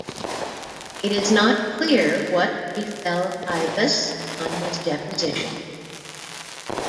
It is not clear what befell Ibas on his deposition.